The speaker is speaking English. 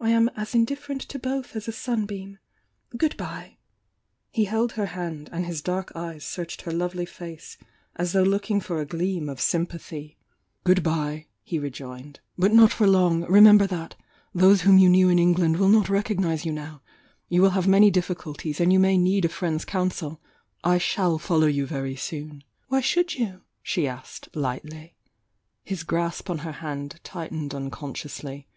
I am as indifferent to both as a sunbeam! Good bye!" He held her hand, and his dark eyes searched her lovely face as though looking for a gleam of sym pathy. 21 f !' I It i r. 822 THE YOUNG DIANA "Good bye!" he rejoined— "But not for long! Remember that! Those whom you knew in Eng land will not recognise you now,— you wUl have many diflBculties, and you may need a friend's coun sel— I shall follow you very soon!" "Why should you?" she asked, lightly. His grasp on her hand tightened unconsciously.